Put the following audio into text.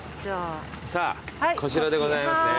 さぁこちらでございますね。